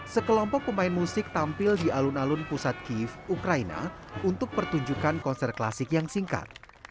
sekelompok pemain musik tampil di alun alun pusat kiev ukraina untuk pertunjukan konser klasik yang singkat